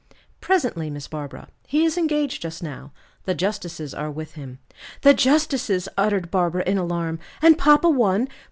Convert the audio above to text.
"Presently, Miss Barbara. He is engaged just now. The justices are with him." "The justices!" uttered Barbara, in alarm; "and papa one?